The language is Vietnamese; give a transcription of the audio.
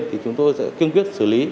thì chúng tôi sẽ kiên quyết xử lý